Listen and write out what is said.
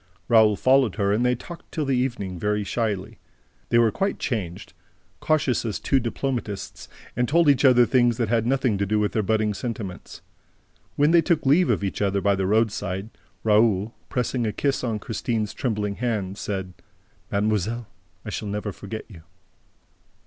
Raoul followed her and they talked till the evening, very shyly. They were quite changed, cautious as two diplomatists, and told each other things that had nothing to do with their budding sentiments. When they took leave of each other by the roadside, Raoul, pressing a kiss on Christine's trembling hand, said: "Mademoiselle, I shall never forget you!"